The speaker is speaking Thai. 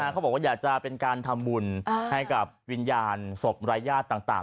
เขาบอกว่าอยากจะเป็นการทำบุญให้กับวิญญาณศพรายญาติต่าง